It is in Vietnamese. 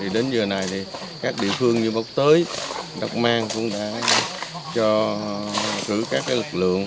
đến giờ này các địa phương như bốc tới đắk mang cũng đã cho cử các lực lượng